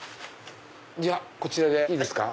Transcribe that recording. じゃあこちらでいいですか？